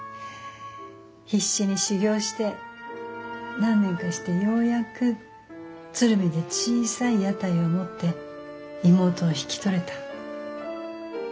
必死に修業して何年かしてようやく鶴見で小さい屋台を持って妹を引き取れた。